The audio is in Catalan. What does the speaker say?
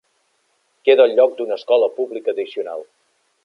Queda el lloc d'una escola pública addicional.